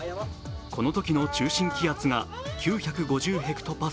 このときの中心気圧が９５０ｈＰａ。